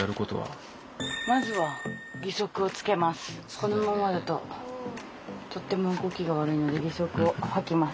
このままだととても動きが悪いので義足を履きます。